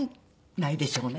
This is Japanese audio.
ないでしょうね。